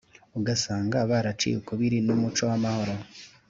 ugasanga baraciye ukubiri n’umuco w’amahoro